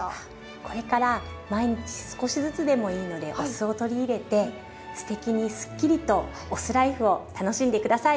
これから毎日少しずつでもいいのでお酢を取り入れて“酢テキ”にスッキリとお酢ライフを楽しんで下さい。